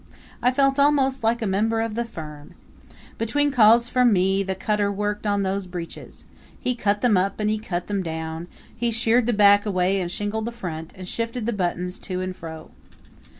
I felt almost like a member of the firm. Between calls from me the cutter worked on those breeches. He cut them up and he cut them down; he sheared the back away and shingled the front, and shifted the buttons to and fro.